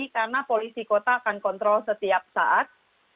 karena polisi kota akan kontrol setiap saat